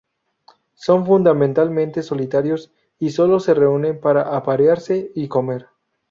Son fundamentalmente solitarios, y sólo se reúnen para aparearse y comer.